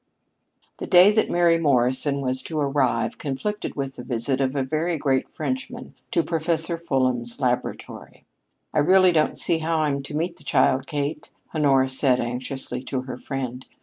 The day that Mary Morrison was to arrive conflicted with the visit of a very great Frenchman to Professor Fulham's laboratory. "I really don't see how I'm to meet the child, Kate," Honora said anxiously to her friend.